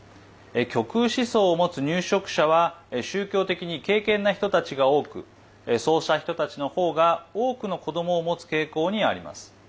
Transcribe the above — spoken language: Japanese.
極右思想を持つ入植者は宗教的に敬けんな人たちが多くそうした人たちの方が多くの子どもを持つ傾向にあります。